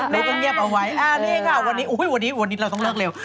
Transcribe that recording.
เลยเป็นเงียบเอาไว้อันนี้ค่ะวันนี้เราต้องเลิกเร็ว